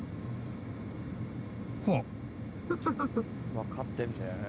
分かってんだよね。